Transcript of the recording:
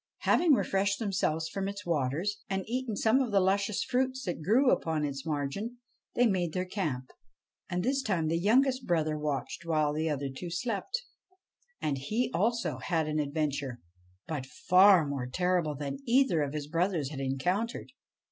Having refreshed themselves from its waters, and eaten of some luscious fruits that grew upon its margin, they made their camp ; and this time the youngest brother watched while the other two slept. And he, also, had an adventure, but far more terrible than either of his brothers had encountered.